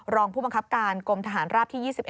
รองผู้บังคับการกรมทหารราบที่๒๑